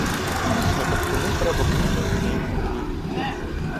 На таптуны трэба бульба й жменя мукі.